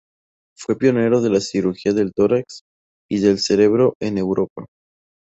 Fue pionero de la cirugía del tórax y del cerebro en Europa.